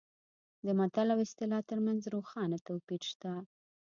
د متل او اصطلاح ترمنځ روښانه توپیر شته